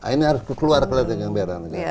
ini harus keluar ke latihan yang berat